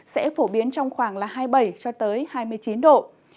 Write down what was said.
sẽ phổ biến trong khoảng hai mươi bảy hai mươi chín độ